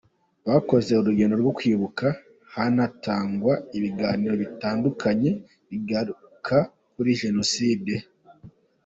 Bakoze urugendo rwo kwibuka, hanatangwa ibiganiro bitandukanye bigaruka kuri Jenoide.